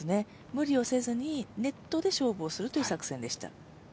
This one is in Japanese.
無理をせずに、ネットで勝負するという作戦でした。